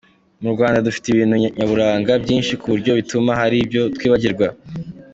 Ati “Mu Rwanda dufite ibintu nyaburanga byinshi ku buryo bituma hari ibyo twibagirwa.